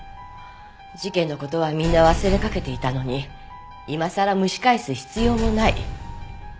事件の事はみんな忘れかけていたのに今さら蒸し返す必要もない。